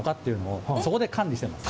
そこで管理してます。